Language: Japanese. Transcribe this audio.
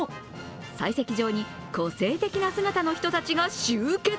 採石場に個性的な姿の人たちが集結。